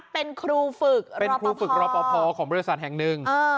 เป็นครูฝึกรปภของบริษัทแห่งหนึ่ง